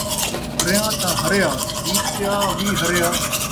ہریاں تاں ہریا ، جیتا وی ہریا